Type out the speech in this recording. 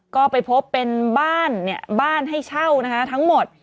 ก็ไปพบเป็นบ้านบ้านให้เช่านะคะทั้งหมด